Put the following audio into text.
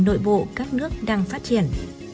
nội bộ các nước đang phát triển